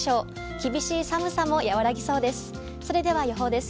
厳しい寒さも和らぎそうです。